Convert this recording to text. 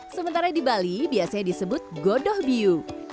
sementara di bali biasanya disebut godoh biu